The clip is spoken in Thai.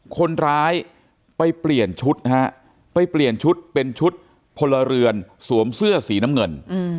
คนร้ายไปเปลี่ยนชุดเป็นชุดพลเรือนสวมเสื้อสีน้ำเงิน